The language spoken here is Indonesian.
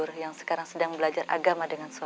serta aki lembur yang sedang belajar agama dengan suami saya